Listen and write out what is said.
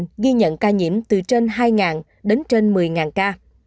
ghi nhận ca nhiễm từ trên hai đến trên một mươi ca